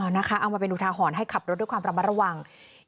เอามาเป็นอุทาหรณ์ให้ขับรถด้วยความระมัดระวัง